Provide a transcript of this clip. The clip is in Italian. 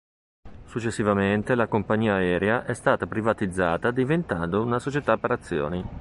Successivamente la compagnia aerea è stata privatizzata diventando una società per azioni.